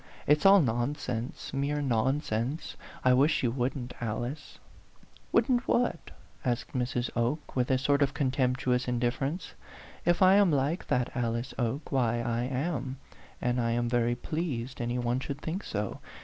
"It's all nonsense, mere nonsense. I wish you wouldn't, Alice." "Wouldn't what?" asked Mrs. Oke, with a sort of contemptuous indifference. "If I am like that Alice Oke, why I am ; and I am very pleased any one should think so.